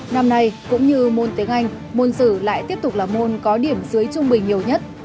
năm nay cũng như môn tiếng anh môn sử lại tiếp tục là môn có điểm dưới trung bình nhiều nhất